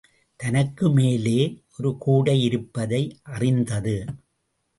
தனக்கு மேலே ஒரு கூடை இருப்பதை அறிந்தது.